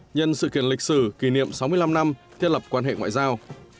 nhân sự kiện lịch sử kỷ niệm sáu mươi năm năm thiết lập quan hệ ngoại giao